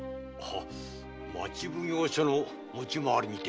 町奉行所の持ち回りにて